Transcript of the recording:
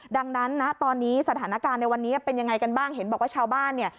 ดังนั้นนะตอนนี้สถานการณ์ในวันนี้เป็นยังไงกันบ้างเห็นบอกว่าชาวบ้านเนี่ย